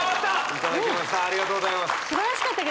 いただきましたありがとうございます